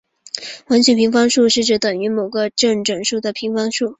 完全平方数是指等于某个正整数的平方的数。